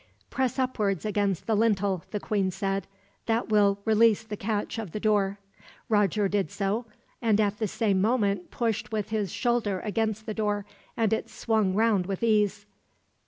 "Press upwards against the lintel," the queen said. "That will release the catch of the door." Roger did so, and at the same moment pushed with his shoulder against the door, and it swung round with ease.